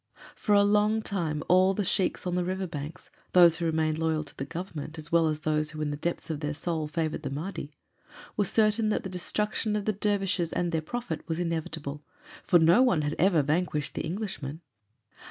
For a long time all the sheiks on the river banks, those who remained loyal to the Government as well as those who in the depth of their souls favored the Mahdi, were certain that the destruction of the dervishes and their prophet was inevitable, for no one had ever vanquished the Englishmen.